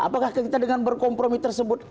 apakah kita dengan berkompromi tersebut